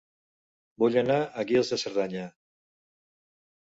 Vull anar a Guils de Cerdanya